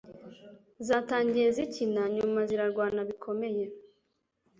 zatangiye zikina nyumz zirarwana bikomeye